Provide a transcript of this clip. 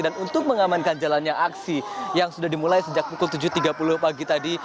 dan untuk mengamankan jalannya aksi yang sudah dimulai sejak pukul tujuh tiga puluh pagi tadi